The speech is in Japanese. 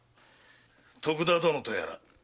徳田殿とやら。